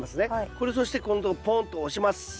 これそしてここのとこポンと押します。